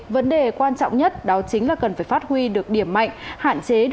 vấn đề quan trọng nhất đó chính là cần phải phát huy được điểm mạnh